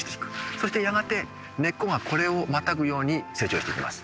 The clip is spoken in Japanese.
そしてやがて根っこがこれをまたぐように成長していきます。